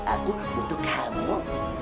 aku butuh kamu